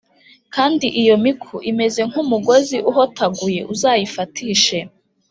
Kandi iyo miku imeze nk umugozi uhotaguye uzayifatishe